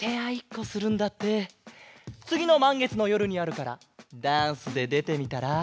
つぎのまんげつのよるにあるからダンスででてみたら？